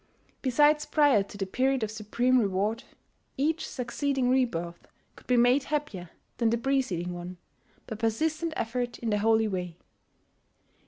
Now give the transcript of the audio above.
Besides, prior to the period of supreme reward, each succeeding rebirth could be made happier than the preceding one by persistent effort in the holy Way.